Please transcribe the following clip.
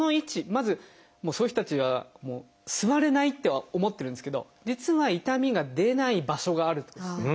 まずそういう人たちは座れないって思ってるんですけど実は痛みが出ない場所があるってことですね。